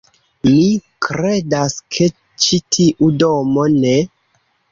Mi kredas, ke ĉi tiu domo ne...